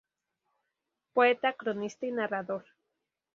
Poeta, cronista y narrador.